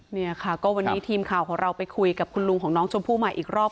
เนี่ยค่ะก็วันนี้ทีมข่าวของเราไปคุยกับคุณลุงของน้องชมพู่ใหม่อีกรอบ